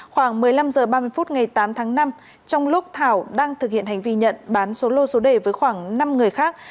khoảng một mươi năm h ba mươi phút ngày tám tháng năm trong lúc thảo đang thực hiện hành vi nhận bán số lô số đề với khoảng năm người khác